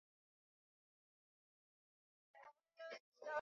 Ni vyema tukajitahidi kuyatunza mazingira yetu ili kuweza kupata manufaa